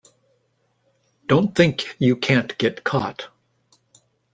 Don't think you can't get caught.